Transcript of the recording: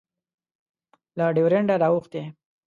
له ډیورنډه رااوښتی